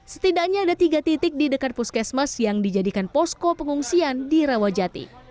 setidaknya ada tiga titik di dekat puskesmas yang dijadikan posko pengungsian di rawajati